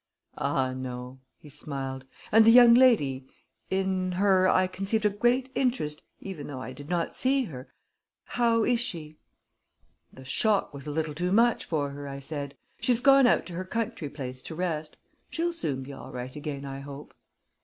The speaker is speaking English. "Ah, no," he smiled. "And the young lady in her I conceived a great interest, even though I did not see her how is she?" "The shock was a little too much for her," I said. "She's gone out to her country place to rest. She'll soon be all right again, I hope."